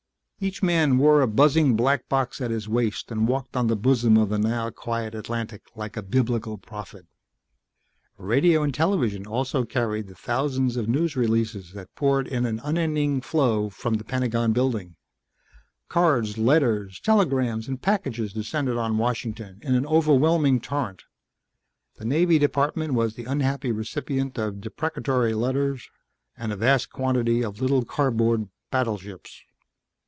Each man wore a buzzing black box at his waist and walked on the bosom of the now quiet Atlantic like a biblical prophet. Radio and television also carried the thousands of news releases that poured in an unending flow from the Pentagon Building. Cards, letters, telegrams and packages descended on Washington in an overwhelming torrent. The Navy Department was the unhappy recipient of deprecatory letters and a vast quantity of little cardboard battleships.